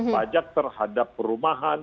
pajak terhadap perumahan